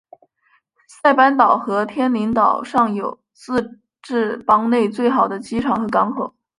塞班岛和天宁岛上有自治邦内最好的机场和港口。